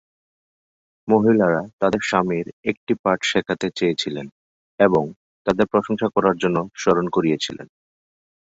মহিলারা তাদের স্বামীর একটি পাঠ শেখাতে চেয়েছিলেন এবং তাদের প্রশংসা করার জন্য স্মরণ করিয়েছিলেন।